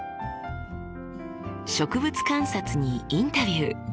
植物観察にインタビュー。